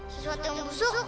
sesuatu yang busuk